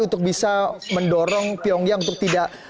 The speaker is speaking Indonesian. untuk bisa mendorong pyongyang untuk tidak